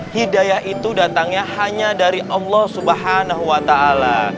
hidayah itu datangnya hanya dari allah subhanahu wa ta'ala